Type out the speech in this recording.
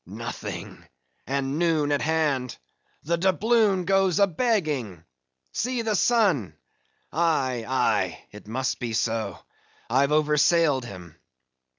"Nothing! and noon at hand! The doubloon goes a begging! See the sun! Aye, aye, it must be so. I've oversailed him.